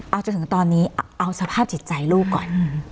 เอาจนถึงตอนนี้เอาสภาพจิตใจลูกก่อน